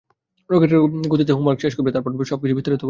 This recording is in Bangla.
রকেটের গতিতে হোমওয়ার্ক শেষ করবি, আর তারপর আমায় সবকিছু বিস্তারিত বলবি।